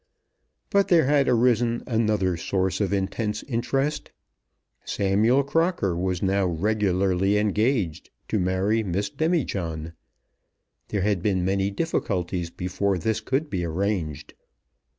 But there had arisen another source of intense interest. Samuel Crocker was now regularly engaged to marry Miss Demijohn. There had been many difficulties before this could be arranged.